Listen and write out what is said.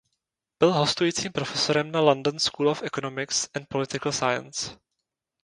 Byl hostujícím profesorem na London School of Economics and Political Science.